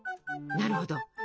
なるほど。